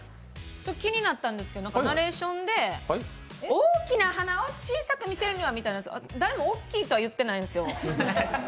気になったんですけど、ナレーションで「大きな鼻を小さく見せるには」みたいな、誰も大きいとは言ってないんですよ。